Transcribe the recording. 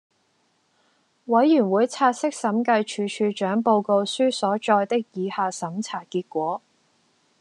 委員會察悉審計署署長報告書所載的以下審查結果